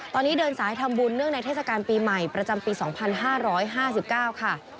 ตอนนี้เดินสายทำบุญเนื่องในเทศกาลปีใหม่ประจำปี๒๕๕๙ค่ะ